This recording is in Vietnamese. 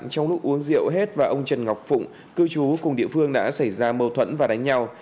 trong lúc uống rượu hết và ông trần ngọc phụng cư trú cùng địa phương đã xảy ra mâu thuẫn và đánh nhau